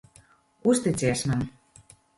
Uzticies man.